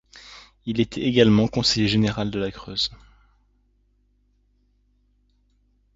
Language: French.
Il était également conseiller général de la Creuse.